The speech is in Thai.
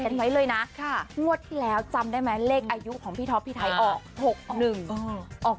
กันไว้เลยนะค่ะงวดที่แล้วจำได้ไหมเลขอายุของพี่พี่ไทยออก